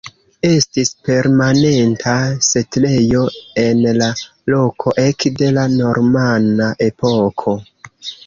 Estis permanenta setlejo en la loko ekde la normana epoko.